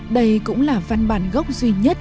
đây cũng là văn bản gốc duy nhất